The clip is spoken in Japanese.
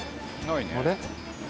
あれ？